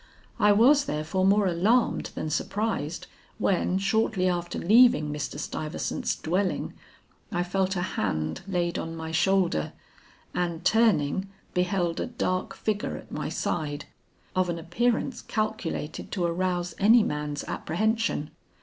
I was, therefore, more alarmed than surprised when, shortly after leaving Mr. Stuyvesant's dwelling, I felt a hand laid on my shoulder, and turning, beheld a dark figure at my side, of an appearance calculated to arouse any man's apprehension.